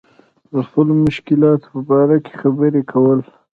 د خپلو مشکلاتو په باره کې خبرې کول.